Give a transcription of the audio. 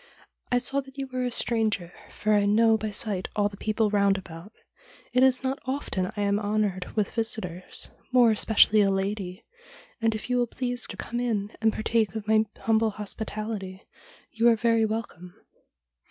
' I saw that you were a stranger, for I know by sight all the people round about. It is not often I am honoured with visitors, more especially a lady, and if you will please to come in and partake of my humble hospitality you are very welcome.'